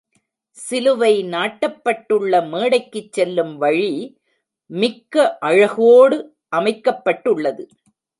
சிலுவை நாட்டப்பட்டுள்ள மேடைக்குச் செல்லும் வழி, மிக்க அழகோடு அமைக்கப்பட்டுள்ளது.